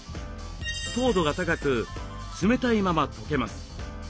糖度が高く冷たいままとけます。